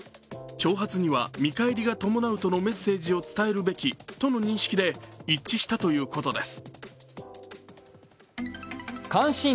挑発には、見返りが伴うとのメッセージを伝えるべきとの認識で一致したということです。